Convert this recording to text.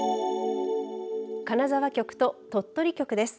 金沢局と鳥取局です。